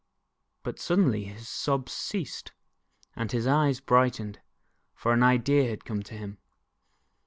But suddenly his sobs ceased, and his eyes brightened, for an idea had come to him.